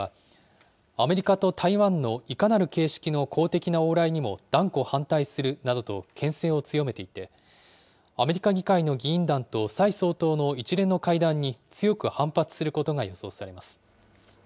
中国はアメリカと台湾のいかなる形式の公的な往来にも断固反対するなどとけん制を強めていて、アメリカ議会の議員団と蔡総統の一連の会談に強く反発することが予想されます。